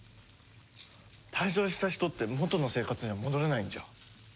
退場した人って元の生活には戻れないんじゃ。